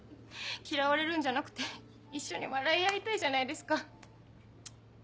嫌われるんじゃなくて一緒に笑い合いたいじゃないですか。